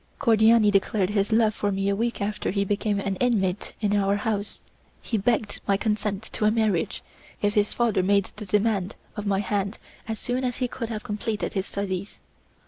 Cordiani declared his love for me a week after he became an inmate in our house; he begged my consent to a marriage, if his father made the demand of my hand as soon as he should have completed his studies.